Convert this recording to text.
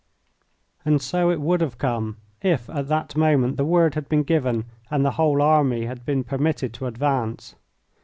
And so it would have come if at that moment the word had been given and the whole army had been permitted to advance.